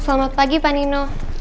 selamat pagi pak nino